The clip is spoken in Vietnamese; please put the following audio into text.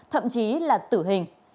thậm chí là tử hình